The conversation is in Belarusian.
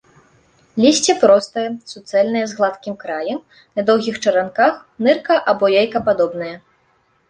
Лісце простае, суцэльнае, з гладкім краем, на доўгіх чаранках, нырка- або яйкападобнае.